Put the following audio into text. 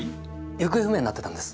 行方不明になってたんです。